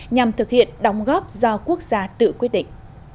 nhằm thực hiện đóng góp do quốc gia tự quyết định